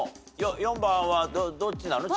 ４番はどっちなの？